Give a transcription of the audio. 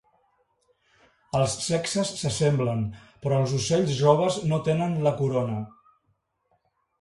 Els sexes s'assemblen, però els ocells joves no tenen la corona.